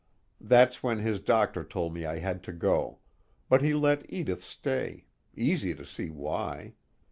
That's when his doctor told me I had to go, but he let Edith stay, easy to see why.